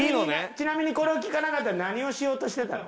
ちなみにこれを聞かなかったら何をしようとしてたの？